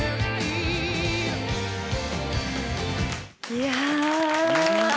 いや！